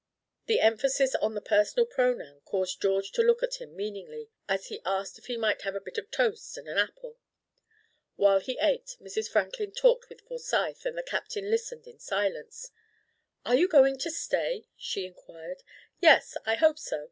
The emphasis on the personal pronoun caused George to look at him meaningly, as he asked if he might have a bit of toast and an apple. While he ate, Mrs. Franklin talked with Forsyth and the Captain listened in silence. "Are you going to stay?" she inquired. "Yes, I hope so.